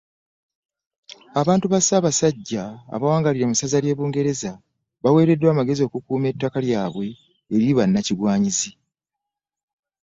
Abantu ba Ssaabasajja abawangaalira mu ssaza ly’e Bugerere baweereddwa amagezi okukuuma ettaka lyabwe eri bannakigwanyizi